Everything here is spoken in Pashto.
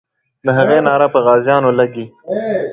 د هغې ناره پر غازیانو لګي.